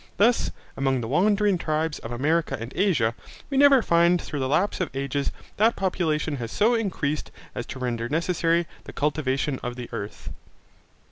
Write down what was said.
Thus among the wandering tribes of America and Asia, we never find through the lapse of ages that population has so increased as to render necessary the cultivation of the earth.